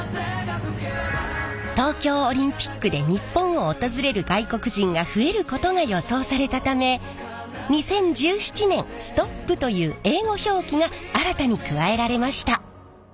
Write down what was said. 東京オリンピックで日本を訪れる外国人が増えることが予想されたため２０１７年「ＳＴＯＰ」という英語表記が新たに加えられました。